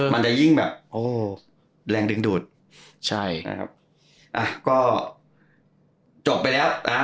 มันจะยิ่งแบบโอ้แรงดึงดูดใช่นะครับอ่ะก็จบไปแล้วนะฮะ